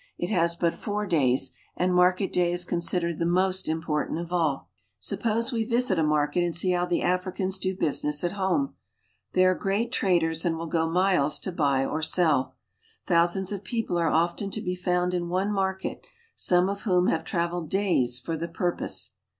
It has but four days, and market day is considered the most important of all. TRADE AND UlMMEKCt UF THE KONGO ^43 Suppose we visit a market and see how the Africans do 1 isiness at home. They are great traders and will go I miles to buy or sell. Thousands of people are often to be ] found in one market, some of whom have traveled days for the purpose.